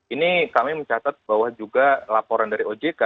ini kami mencatat bahwa juga laporan dari ojk